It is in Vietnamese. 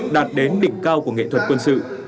đạt đến đỉnh cao của nghệ thuật quân sự